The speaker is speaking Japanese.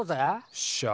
よっしゃ。